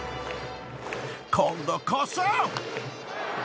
［今度こそ！］